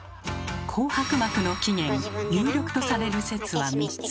紅白幕の起源有力とされる説は３つ。